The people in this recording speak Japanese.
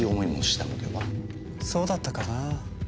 そうだったかなぁ。